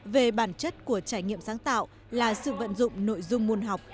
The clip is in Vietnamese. về bản chất của trải nghiệm sáng tạo là sự vận dụng nội dung môn học